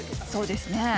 そうですね。